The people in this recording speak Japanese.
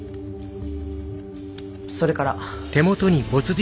それから。